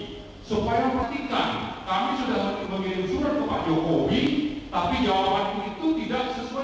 supaya memperhatikan kami sudah mengirim surat kepada pak jokowi